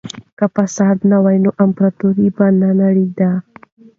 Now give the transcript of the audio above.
که فساد نه وای نو امپراطورۍ به نه نړېده.